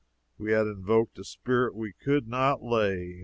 We had invoked a spirit we could not lay.